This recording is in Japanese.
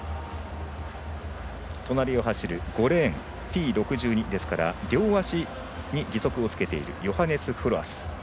隣を走る５レーンＴ６２ですから両足に義足をつけているヨハネス・フロアス。